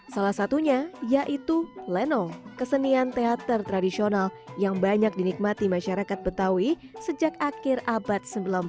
salah satunya yaitu lenong kesenian teater tradisional yang banyak dinikmati masyarakat betawi sejak akhir abad sembilan belas